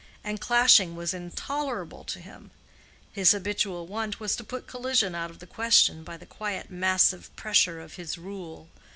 And clashing was intolerable to him; his habitual want was to put collision out of the question by the quiet massive pressure of his rule.